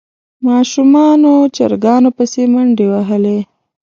ماشومانو چرګانو پسې منډې وهلې.